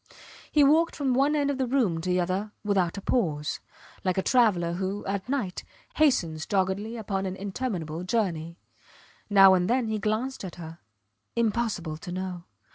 He walked from one end of the room to the other without a pause, like a traveller who, at night, hastens doggedly upon an interminable journey. Now and then he glanced at her. Impossible to know.